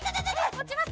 持ちます。